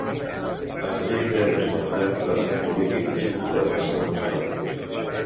Enric Térmens Beltran va ser un polític nascut a Olesa de Montserrat.